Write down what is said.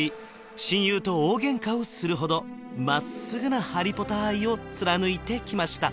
親友と大ゲンカをするほどまっすぐなハリポタ愛を貫いてきました